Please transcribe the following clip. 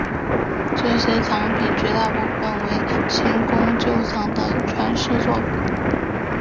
这些藏品绝大部分为清宫旧藏的传世作品。